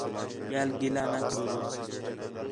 ٻِیال گِلہ نہ کرو جو